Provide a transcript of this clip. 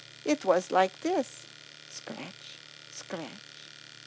It was like this: scratch scratch.